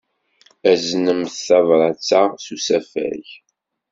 Aznemt tabṛat-a s usafag.